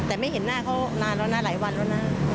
แต่ไม่เห็นหน้าเขานานแล้วนะหลายวันแล้วนะ